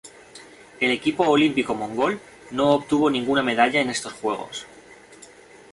El equipo olímpico mongol no obtuvo ninguna medalla en estos Juegos.